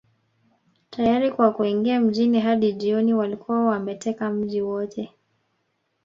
Tayari kwa kuingia mjini Hadi jioni walikuwa wameteka mji wote